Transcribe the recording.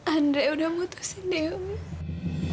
andre udah mutusin dewi